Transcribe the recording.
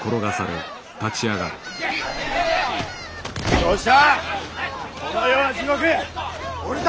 どうした！